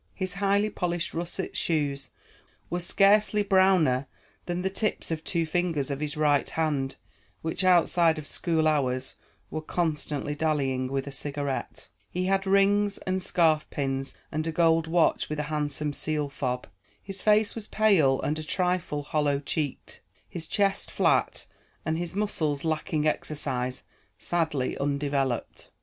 His highly polished russet shoes were scarcely browner than the tips of two fingers of his right hand, which outside of school hours were constantly dallying with a cigarette. He had rings and scarf pins, and a gold watch with a handsome seal fob. His face was pale and a trifle hollow cheeked, his chest flat, and his muscles, lacking exercise, sadly undeveloped.